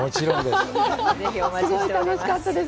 すごい楽しかったです。